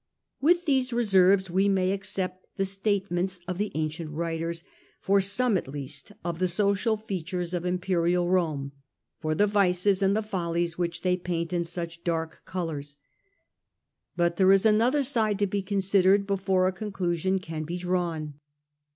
With these reserves we may accept the statements of the ancient writers for some at least of the social features of Imperial Rome, for the vices and the follies which they paint in such dark colours. But there is another side to be considered before a conclusion can be drawn.